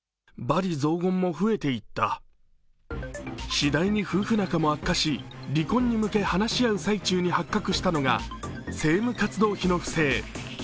しだいに夫婦仲も悪化し、離婚に向け話し合う最中に発覚したのが政務活動費の不正。